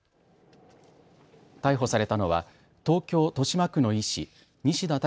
逮捕されたのは東京豊島区の医師、西田隆